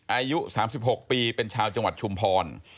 อายุ๓๖ปีเป็นชาวจังหวัดชุมพร